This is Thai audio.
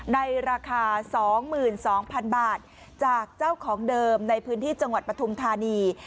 ในราคา๒๒๐๐๐บาทจากเจ้าของเดิมในพื้นที่จังหวัดปฐุมธานี